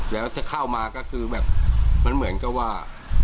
แล้วถ้าเข้ามาก็คือแบบมันเหมือนกับว่า